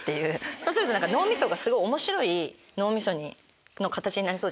そうすると脳みそが面白い脳みその形になりそう。